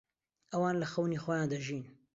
ئەوان لە خەونی خۆیان دەژین.